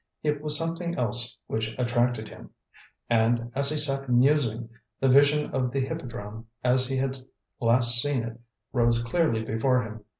It was something else which attracted him. And, as he sat musing, the vision of the Hippodrome as he had last seen it rose clearly before him.